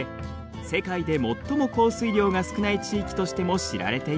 世界で最も降水量が少ない地域としても知られています。